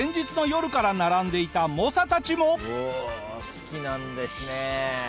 好きなんですね。